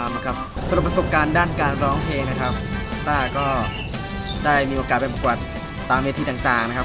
ประสบการณ์ด้านการร้องเพลงนะครับต้าก็ได้มีโอกาสไปประกวดตามเวทีต่างนะครับ